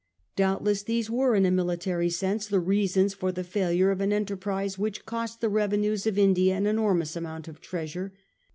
Doubtless these were in a military sense the reasons for the failure of an enterprise which cost the revenues of India an enormous amount of treasure.